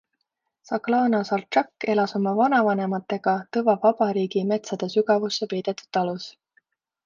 Saglana Saltšak elas oma vanavanematega Tõva Vabariigi metsade sügavusse peidetud talus.